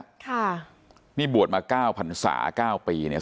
ค่ะนี่บวชมาเก้าพันศาเก้าปีเนี่ย